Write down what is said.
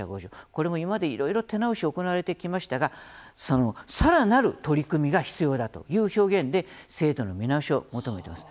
これも今までいろいろ手直し行われてきましたがさらなる取り組みが必要だという表現で制度の見直しを求めています。